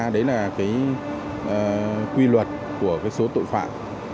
đấy là cái quy luật của số tội phạm